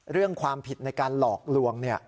เรื่องความผิดในการหลอกลวง